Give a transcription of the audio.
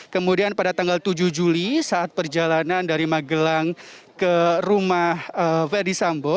kemudian pada tanggal tujuh juli saat perjalanan dari magelang ke rumah verdi sambo